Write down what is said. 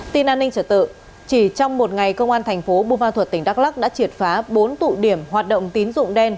tin an ninh trở tự chỉ trong một ngày công an thành phố bumathuot tỉnh đắk lắc đã triệt phá bốn tụ điểm hoạt động tín dụng đen